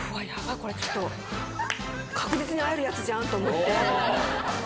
これちょっと確実に会えるやつじゃんと思って。